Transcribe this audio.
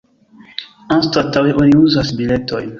Anstataŭe oni uzas biletojn.